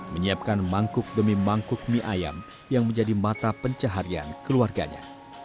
menyiapkan mangkuk demi mangkuk mie ayam yang menjadi mata pencaharian keluarganya